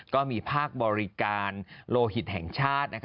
ก็มีภาคบริการโลหิตแห่งชาติ